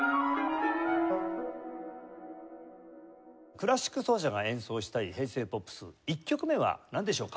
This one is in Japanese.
クラシック奏者が演奏したい平成ポップス１曲目はなんでしょうか？